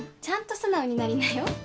ちゃんと素直になりなよ。